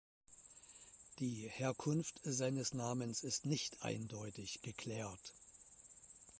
Die Herkunft seines Namens ist nicht eindeutig geklärt.